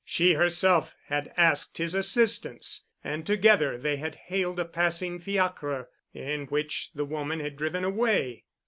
She herself had asked his assistance and together they had hailed a passing fiacre in which the woman had driven away.